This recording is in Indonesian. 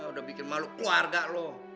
udah bikin malu keluarga loh